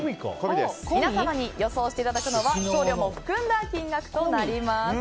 皆様に予想していただくのは送料も含んだ金額となります。